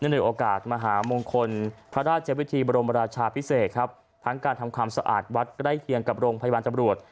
ในโอกาสมหามงคลพระราชวิธีบรมราชาพิเศษครับทั้งการทำความสะอาดวัดใกล้เคียงกับโรงพยาบาลตำรวจ